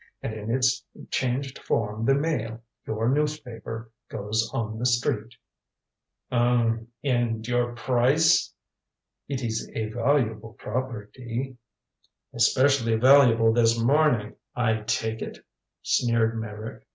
And in its changed form the Mail your newspaper goes on the street." "Um and your price?" "It is a valuable property." "Especially valuable this morning, I take it," sneered Meyrick.